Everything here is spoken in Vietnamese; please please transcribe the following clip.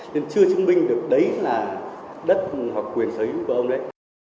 nên chưa chứng minh được đấy là đất hoặc quyền sở hữu của ông đấy